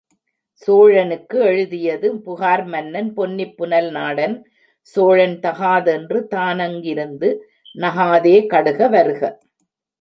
சோழனுக்கு எழுதியது புகார்மன்னன் பொன்னிப் புனல்நாடன் சோழன் தகாதென்று தானங் கிருந்து—நகாதே கடுக வருக!